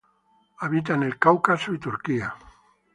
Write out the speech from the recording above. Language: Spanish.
Habita en el Cáucaso y Turquía.